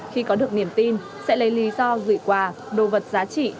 khi có được niềm tin sẽ lấy lý do gửi quà đồ vật giá trị